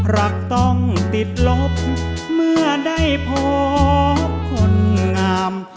รักต้องติดลบเมื่อได้พบคนงาม